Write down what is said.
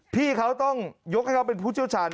พี่เขาต้องยกให้เขาเป็นผู้เชี่ยวชาญ